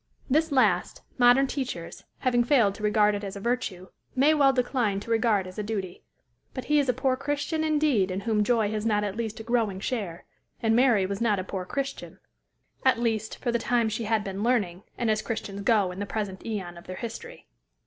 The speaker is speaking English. This last, modern teachers, having failed to regard it as a virtue, may well decline to regard as a duty; but he is a poor Christian indeed in whom joy has not at least a growing share, and Mary was not a poor Christian at least, for the time she had been learning, and as Christians go in the present aeon of their history.